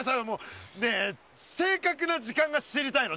ねえ正確な時間が知りたいの！